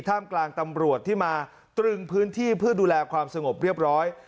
ท่ามกลางตำรวจที่มาตรึงพื้นที่เพื่อดูแลความสงบเรียบร้อย